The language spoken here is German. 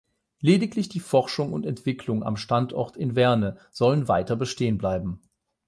Lediglich die Forschung und Entwicklung am Standort in Werne sollen weiter bestehen bleiben.